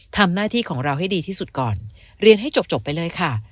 ทำหน้าที่ของเราให้ดีที่สุดก่อนเรียนให้จบไปเลยค่ะ